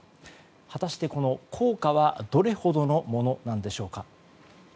果たしてこの効果はどれほどのものなんでしょうか。